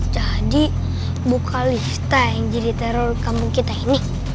jadi bu kalista yang jadi teror kampung kita ini